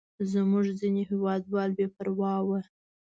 زموږ ځینې هېوادوال بې پروا وو.